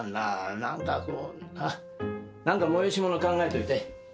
なんかこうなんか催し物考えといて。